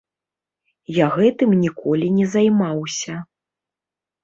Я гэтым ніколі не займаўся.